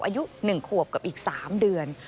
อายุ๑ขวบกับอีก๓เดือน